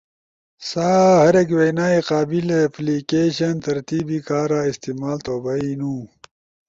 سا ہر ایک وینائی قابل اپلیکیشن ترتیب کارا استعمال تھو بئینو۔